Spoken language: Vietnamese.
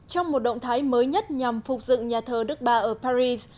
trong một động thái mới nhất nhằm phục dựng nhà thờ đức ba ở paris